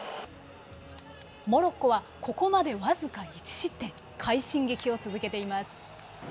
モロッコはここまで僅か１失点快進撃を続けています。